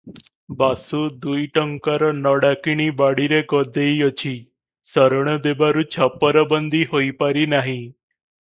ବାସୁ ଦୁଇ ଟଙ୍କାର ନଡ଼ା କିଣି ବାଡ଼ିରେ ଗଦେଇଅଛି, ଶରଣ ଦେବାରୁ ଛପରବନ୍ଦି ହୋଇପାରି ନାହିଁ ।